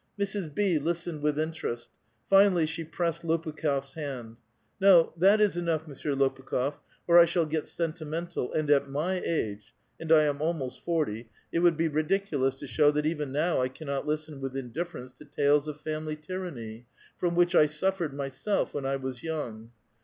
Mrs. B. listened with interest ; finally she pressed Lopukh^f's hand. '* No ; that is enough. Monsieur Lopukh6f, or I shall get sentimental, and at m}' age — and I am almost forty — it would be ridiculous to show that even now I cannot listen with indifference to tales of family tyranny, from which I suf fered mvself when I was young."